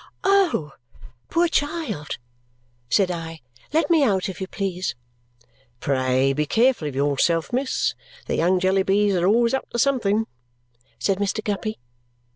"Oh, poor child," said I; "let me out, if you please!" "Pray be careful of yourself, miss. The young Jellybys are always up to something," said Mr. Guppy.